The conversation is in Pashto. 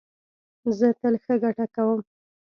زه تل ښه ګټه کوم